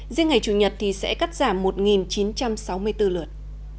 riêng ngày chủ nhật thì sẽ cắt giảm một chín trăm sáu mươi bốn lượt